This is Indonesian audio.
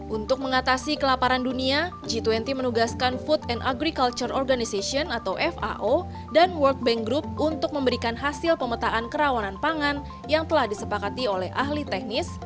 untuk mengatasi kelaparan dunia g dua puluh menugaskan food and agriculture organization atau fao dan world bank group untuk memberikan hasil pemetaan kerawanan pangan yang telah disepakati oleh ahli teknis